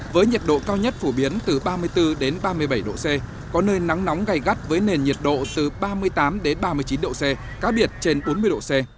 với nhiệt độ cao nhất phổ biến từ ba mươi bốn ba mươi bảy độ c có nơi nắng nóng gai gắt với nền nhiệt độ từ ba mươi tám ba mươi chín độ c cá biệt trên bốn mươi độ c